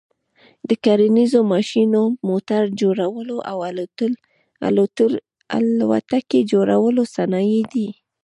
د کرنیز ماشینو، موټر جوړلو او الوتکي جوړلو صنایع دي.